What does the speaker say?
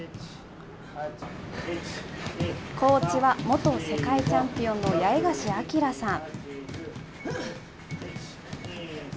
コーチは、元世界チャンピオンの八重樫東さん。